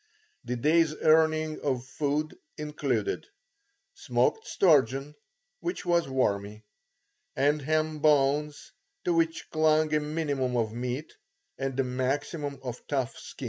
The day's earning of food included: smoked sturgeon, which was wormy, and ham bones to which clung a minimum of meat and a maximum of tough skin.